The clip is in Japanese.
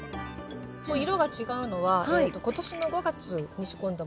色が違うのは今年の５月に仕込んだものと。